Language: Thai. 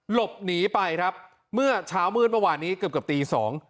หลบหนีไปครับเมื่อเช้ามื้อนเมื่อวานนี้เกือบตี๒